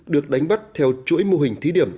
được đánh bắt theo chuỗi mô hình thí điểm